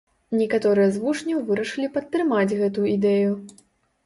Некаторыя з вучняў вырашылі падтрымаць гэту ідэю.